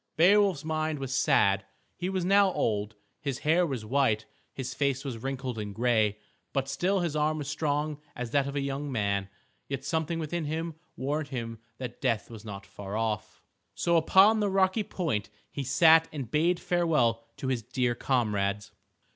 Beowulf's mind was sad. He was now old. His hair was white, his face was wrinkled and gray. But still his arm was strong as that of a young man. Yet something within him warned him that death was not far off. So upon the rocky point he sat and bade farewell to his dear comrades.